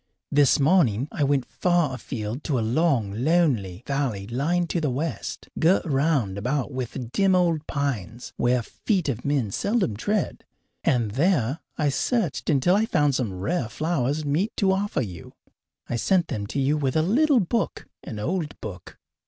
This morning I went far afield to a long, lonely valley lying to the west, girt round about with dim old pines, where feet of men seldom tread, and there I searched until I found some rare flowers meet to offer you. I sent them to you with a little book, an old book.